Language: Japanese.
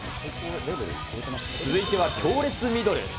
続いては強烈ミドル。